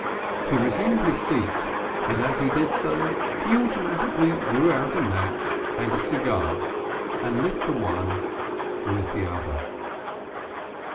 He resumed his seat, and as he did so he automatically drew out a match and a cigar, and lit the one with the other.